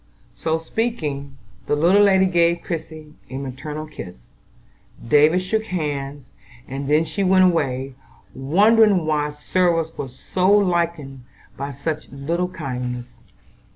So speaking, the little lady gave Christie a maternal kiss; David shook hands; and then she went away, wondering why service was so lightened by such little kindnesses.